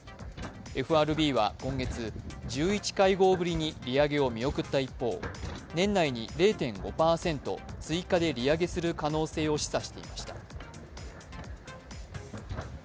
ＦＲＢは今月、１１会合ぶりに利上げを見送った一方、年内に０．５％、追加で利上げする可能性を示唆していました。